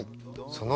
その。